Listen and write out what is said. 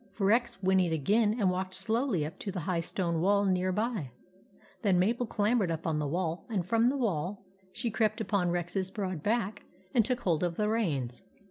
Rex whinnied again and walked slowly up to the high stone wall near by. Then Mabel clambered up on the wall, and from the wall she crept upon Rex's broad back and took hold of the reins.